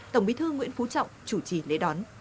tổng bí thư nguyễn phú trọng chủ trì lễ đón